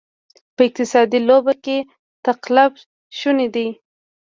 په اقتصادي لوبه کې تقلب شونې دی.